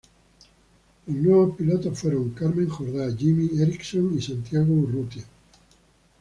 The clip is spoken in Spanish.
Los nuevos pilotos fueron Carmen Jordá, Jimmy Eriksson y Santiago Urrutia.